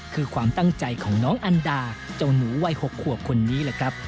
คือความตั้งใจของน้องอันดาเจ้าหนูวัย๖ขวบคนนี้แหละครับ